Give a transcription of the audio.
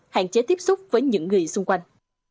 hạn chế tiếp xúc với những người xung quanh